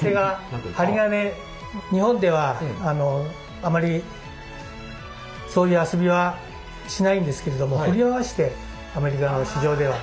日本ではあまりそういう遊びはしないんですけれども振り回してアメリカの市場では。